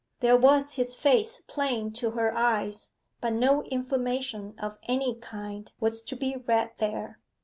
There was his face plain to her eyes, but no information of any kind was to be read there.